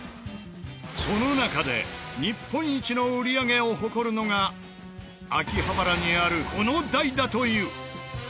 その中で日本一の売り上げを誇るのが秋葉原にあるこの台だという。